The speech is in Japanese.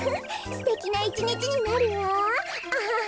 すてきな１にちになるわアハハ。